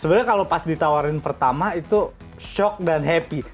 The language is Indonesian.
sebenarnya kalau pas ditawarin pertama itu shock dan happy